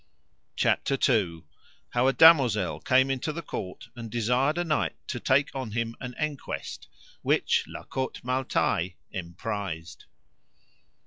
CHAPTER II. How a damosel came into the court and desired a knight to take on him an enquest, which La Cote Male Taile emprised.